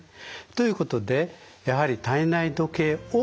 ということでやはり体内時計「を」